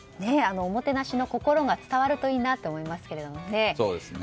おもてなしの心が伝わるといいなと思いますけどね。